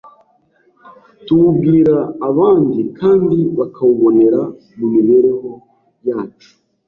tuwubwira abandi kandi bakawubonera mu mibereho yacu,